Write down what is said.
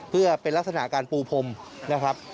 เพื่อเป็นลักษณะการปูพรมนะครับ